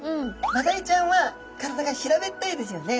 マダイちゃんは体が平べったいですよね。